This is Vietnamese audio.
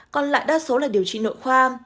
còn lại đa số là điều trị nội khoa